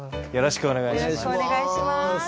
よろしくお願いします。